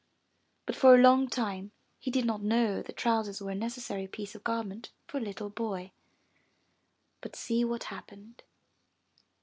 But for a long time he did not know that trousers were a neces sary piece of garment for a little boy. But see what happened.